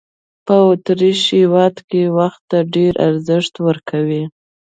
په اوترېش هېواد کې وخت ډېر ارزښت ورکوي.